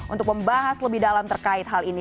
untuk membahas lebih dalam terkait hal ini